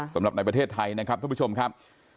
สำหรับในประเทศไทยนะครับทุกผู้ชมครับ